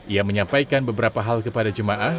ia menyampaikan beberapa hal kepada jemaah